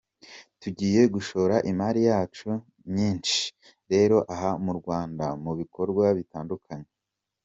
Tugiye gushora imari yacu nyishi rero aha mu Rwanda mu bikorwa bitandukanye”.